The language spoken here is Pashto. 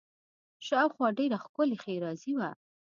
شاوخوا ډېره ښکلې ښېرازي وه.